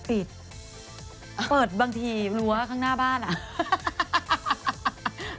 เปิดเปิดบางทีรั้วข้างหน้าบ้านอ่ะ